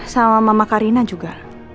sama mama karina juga